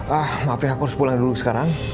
ah maaf ya aku harus pulang dulu sekarang